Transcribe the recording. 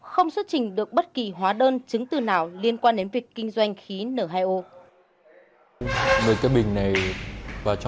không xuất trình được bất kỳ hóa đơn chứng từ nào liên quan đến việc kinh doanh khí n hai o